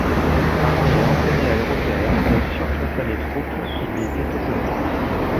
Armée et entraînée à l'européenne, elle surclassa les troupes qui lui étaient opposées.